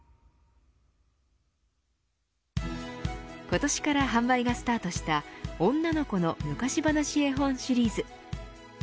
今年から販売がスタートした女の子の昔話えほんシリーズ。